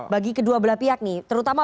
bagi kedua belah pihak nih terutama